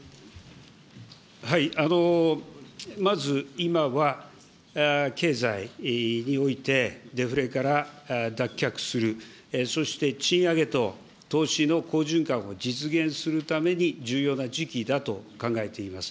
まず、今は経済において、デフレから脱却する、そして賃上げと投資の好循環を実現するために、重要な時期だと考えています。